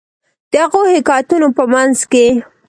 د هغو حکایتونو په منځ کې.